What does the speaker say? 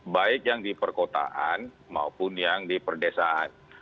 baik yang di perkotaan maupun yang di perdesaan